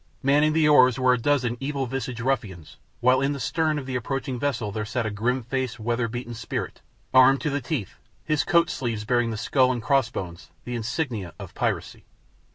Manning the oars were a dozen evil visaged ruffians, while in the stern of the approaching vessel there sat a grim faced, weather beaten spirit, armed to the teeth, his coat sleeves bearing the skull and cross bones, the insignia of piracy.